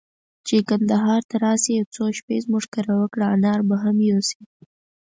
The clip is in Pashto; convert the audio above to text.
چي کندهار ته راسې، يو څو شپې زموږ کره وکړه، انار به هم يوسې.